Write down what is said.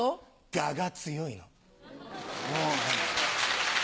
ガが強いの。